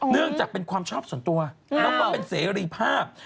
เนื่องจากเป็นความชอบส่วนตัวแล้วก็เป็นเสรีภาพ